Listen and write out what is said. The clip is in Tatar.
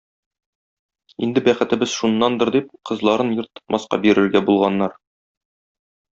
Инде бәхетебез шуннандыр,- дип, кызларын Йорт тотмаска бирергә булганнар.